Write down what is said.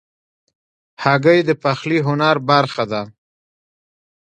هګۍ د پخلي هنر برخه ده.